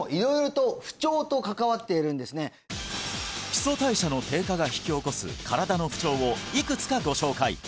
そして基礎代謝の低下が引き起こす身体の不調をいくつかご紹介